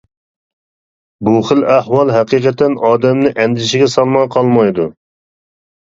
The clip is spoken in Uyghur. بۇ خىل ئەھۋال ھەقىقەتەن ئادەمنى ئەندىشىگە سالماي قالمايدۇ.